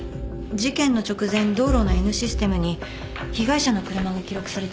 事件の直前道路のＮシステムに被害者の車が記録されていました。